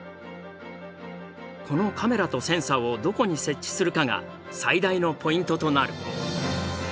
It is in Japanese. このカメラとセンサーをどこに設置するかが最大のポイントとなる。